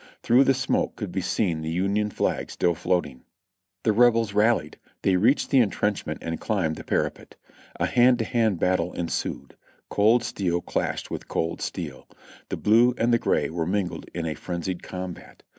Through the smoke could be seen the Union flag still floating. The Rebels rallied ; they reached the entrenchment and climbed the parapet. A hand to hand fight ensued ; cold steel clashed with cold steel ; the blue and the gray were mingled in a frenzied combat.